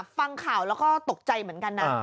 ฟังข่าวแล้วก็ตกใจเหมือนกันนะ